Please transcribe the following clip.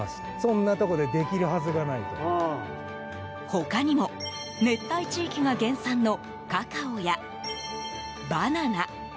他にも、熱帯地域が原産のカカオやバナナ。